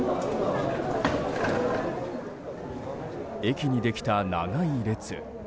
駅にできた長い列。